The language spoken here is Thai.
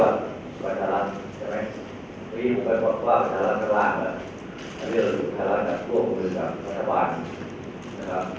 อาจารย์ของประธานกรรมจันทร์ให้มาทุกคุณจะให้เกิดความภูมิกับประธานกรรม